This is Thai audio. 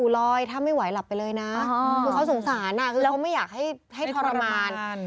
ลอยถ้าไม่ไหวหลับไปเลยนะคือเขาสงสารคือเขาไม่อยากให้ทรมาน